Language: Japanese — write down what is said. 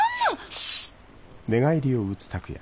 シッ！